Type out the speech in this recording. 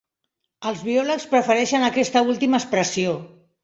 Els biòlegs prefereixen aquesta última expressió.